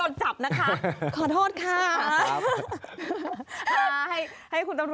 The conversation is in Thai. สนุนโดยอีซุสุข